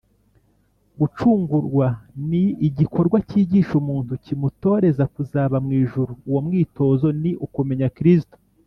gucungurwa ni igikorwa cyigisha umuntu kimutoreza kuzaba mu ijuru uwo mwitozo ni ukumenya kristo